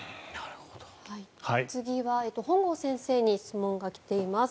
次は本郷先生に質問が来ています。